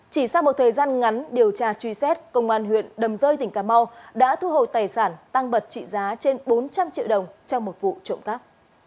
chỉ sau một thời gian ngắn điều tra truy xét công an huyện đầm rơi tỉnh cà mau đã thu hồi tài sản tăng vật trị giá trên bốn trăm linh triệu đồng trong một vụ trộm cắp